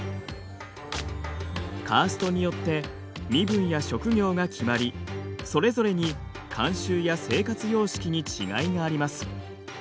カーストによって身分や職業が決まりそれぞれに慣習や生活様式に違いがあります。